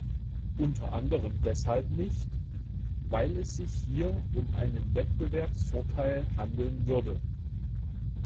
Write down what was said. Unter anderem deshalb nicht, weil es sich hier um einen Wettbewerbsvorteil handeln würde.